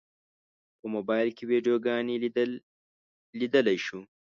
په موبایل کې ویډیوګانې لیدلی شو.